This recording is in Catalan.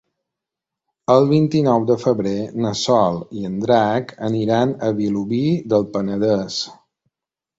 El vint-i-nou de febrer na Sol i en Drac aniran a Vilobí del Penedès.